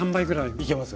いけますか？